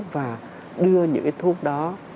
và đưa những cái thuốc đó